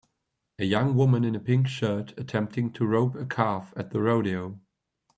A young woman in a pink shirt attempting to rope a calf at the rodeo.